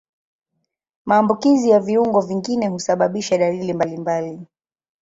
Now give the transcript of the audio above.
Maambukizi ya viungo vingine husababisha dalili mbalimbali.